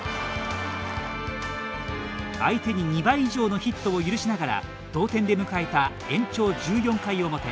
相手に２倍以上のヒットを許しながら同点で迎えた延長１４回表。